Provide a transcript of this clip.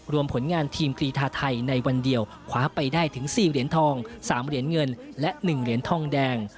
ผลงานทีมกรีธาไทยในวันเดียวคว้าไปได้ถึง๔เหรียญทอง๓เหรียญเงินและ๑เหรียญทองแดง